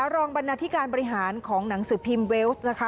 รองบรรณาธิการบริหารของหนังสือพิมพ์เวลส์นะคะ